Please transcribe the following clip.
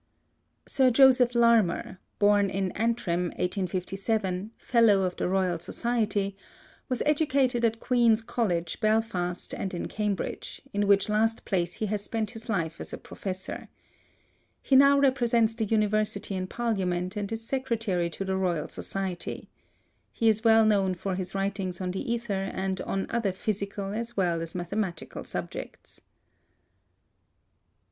Sir Joseph Larmor (b. in Antrim 1857), F.R.S., was educated at Queen's College, Belfast, and in Cambridge, in which last place he has spent his life as a professor. He now represents the University in parliament and is secretary to the Royal Society. He is well known for his writings on the ether and on other physical as well as mathematical subjects.